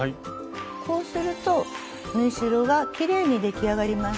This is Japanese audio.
こうすると縫い代がきれいに出来上がります。